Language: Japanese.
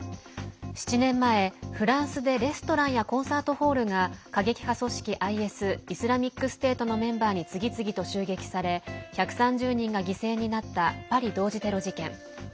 ７年前、フランスでレストランやコンサートホールが過激派組織ＩＳ＝イスラミックステートのメンバーに次々と襲撃され１３０人が犠牲になったパリ同時テロ事件。